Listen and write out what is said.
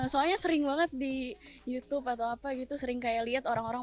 soalnya sering banget di youtube atau apa gitu sering kayak lihat orang orang